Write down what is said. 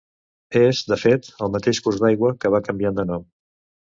És, de fet, el mateix curs d'aigua que va canviant de nom.